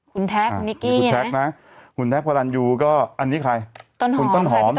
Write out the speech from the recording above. คุณนะคุณนะคุณพอรันยูก็อันนี้ใครต้นหอมต้นหอม